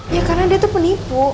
ya karena dia tuh penipu